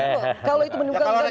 kalau itu bukan kegaduhan wajar